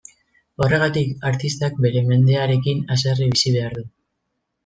Horregatik, artistak bere mendearekin haserre bizi behar du.